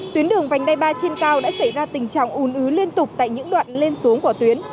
tuyến đường vành đai ba trên cao đã xảy ra tình trạng ùn ứ liên tục tại những đoạn lên xuống của tuyến